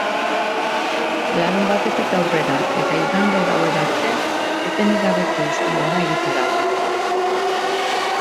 Larunbatetik aurrera, eta igande gauera arte, etenik gabekoa izango da egitaraua.